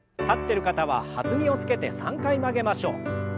立ってる方は弾みをつけて３回曲げましょう。